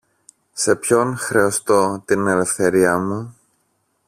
Σε ποιον χρεωστώ την ελευθερία μου;